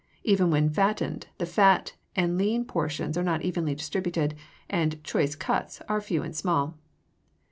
Even when fattened, the fat and lean portions are not evenly distributed, and "choice cuts" are few and small.